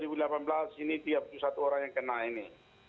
ini tiga puluh satu orang yang kena ini